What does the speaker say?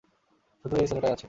শুধু এই ছেলেটাই আছে।